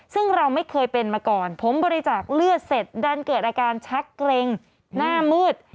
ซึ่งเราไม่เคยเป็นมาก่อนผมบริจาคเลือดเสร็จดันเกิดอาการชักเกร็งหน้ามืด